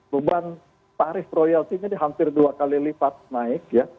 beban tarif royaltinya di hampir dua kali lipat naik ya